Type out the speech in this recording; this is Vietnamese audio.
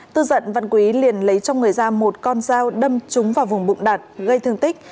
tức giận văn quý liền lấy trong người ra một con dao đâm trúng vào vùng bụng đạt gây thương tích